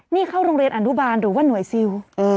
นี่เข้าโรงเรียนอนุบาลหรือว่าหน่วยซิล